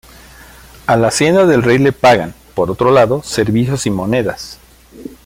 A la hacienda del rey le pagan, por otro lado, servicios y monedas.